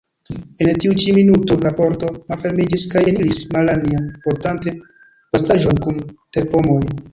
En tiu ĉi minuto la pordo malfermiĝis kaj eniris Malanja, portante bastaĵon kun terpomoj.